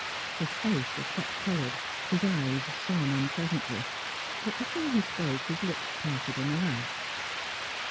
His face was hot coloured, his eyes shone unpleasantly; but before he spoke, his lips parted in a laugh.